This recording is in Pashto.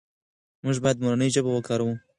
موږ باید مورنۍ ژبه وکاروو.